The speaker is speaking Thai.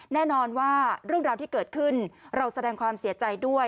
แน่นอนว่าเรื่องราวที่เกิดขึ้นเราแสดงความเสียใจด้วย